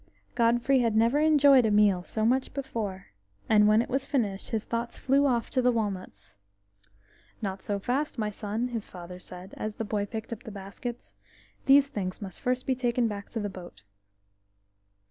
Godfrey had never enjoyed a meal so much before, and when it was finished his thoughts flew off to the walnuts. "Not so fast, my son," his father said, as the boy picked up the baskets. "These things must first be taken back to the boat."